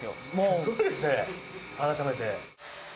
すごいですね、改めて。